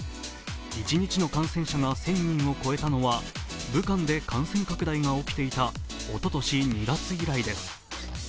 一日の感染者が１０００人を超えたのは武漢で感染拡大が起きていたおととし２月以来です。